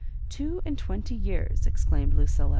" Two and twenty years!" exclaimed LucillA.